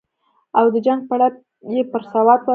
او د جنګ پړه یې پر سوات واچوله.